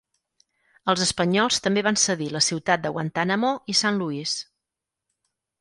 Els espanyols també van cedir la ciutat de Guantánamo i San Luís.